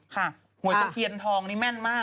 ค่ะหัวตะเคียนทองนี้แม่นมาก